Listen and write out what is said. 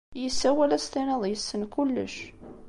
Yessawal ad as-tiniḍ yessen kullec.